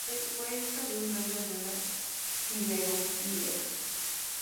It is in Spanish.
Fue hija de un dueño de una siderurgia.